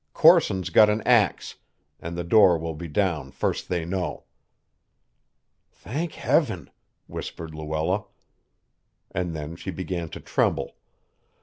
Corson's got an ax, and the door will be down first they know." "Thank Heaven!" whispered Luella. And then she began to tremble.